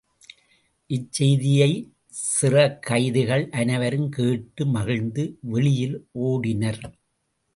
இச் செய்தியைச் சிறைக் கைதிகள் அனைவரும் கேட்டு, மகிழ்ந்து வெளியில் ஓடினர்.